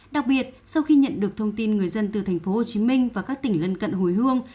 đặc biệt sau khi nhận được thông tin người dân từ tp hcm và các tỉnh lân cận hồi hương